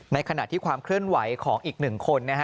ในขณะที่ความเคลื่อนไหวของอีกหนึ่งคนนะฮะ